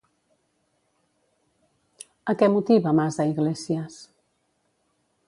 A què motiva Mas a Iglesias?